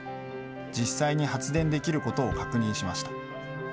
実際に発電できることを確認しました。